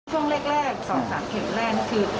ช่วงเลขแรก๒๓เข็มแรกคือ